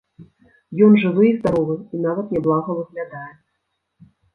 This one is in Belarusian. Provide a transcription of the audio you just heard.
Ён жывы і здаровы, і нават няблага выглядае.